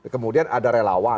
kemudian ada relawan